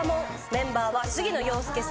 メンバーは杉野遥亮さん。